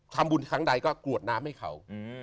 ทำบุญครั้งใดก็กรวดน้ำให้เขา